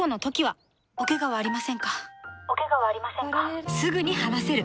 おケガはありませんか？